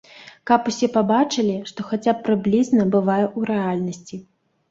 Каб усе пабачылі, што хаця б прыблізна бывае ў рэальнасці.